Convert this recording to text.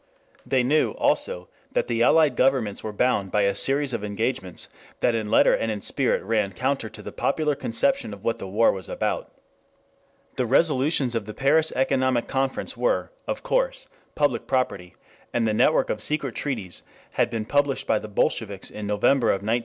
They knew also that the Allied Governments were bound by a series of engagements that in letter and in spirit ran counter to the popular conception of what the war was about. The resolutions of the Paris Economic Conference were, of course, public property, and the network of secret treaties had been published by the Bolsheviks in November of 1917.